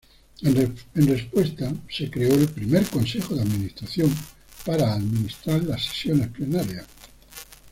En respuesta, se creó el primer Consejo de Administración, para administrar las sesiones plenarias.